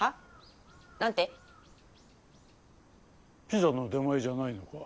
ピザの出前じゃないのか？